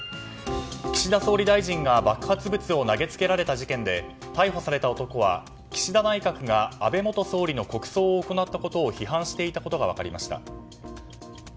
岸田総理大臣が爆発物を投げつけられた事件で逮捕された男は岸田内閣が安倍元総理の国葬を行ったことを批判していたことが分かりました。